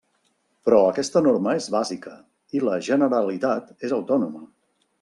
Però aquesta norma és bàsica i la Generalitat és autònoma.